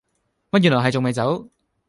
乜原來係仲未走